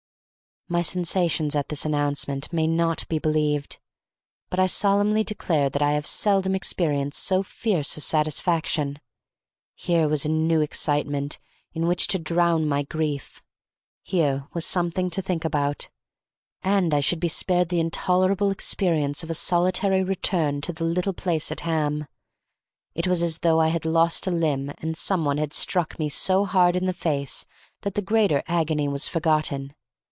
My sensations at this announcement may not be believed, but I solemnly declare that I have seldom experienced so fierce a satisfaction. Here was a new excitement in which to drown my grief; here was something to think about; and I should be spared the intolerable experience of a solitary return to the little place at Ham. It was as though I had lost a limb and some one had struck me so hard in the face that the greater agony was forgotten.